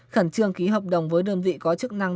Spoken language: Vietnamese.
khẩn trương ký hợp đồng với đơn vị có chức năng